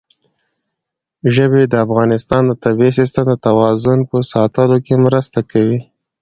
ژبې د افغانستان د طبعي سیسټم د توازن په ساتلو کې مرسته کوي.